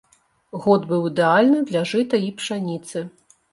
Год быў ідэальны для жыта і пшаніцы.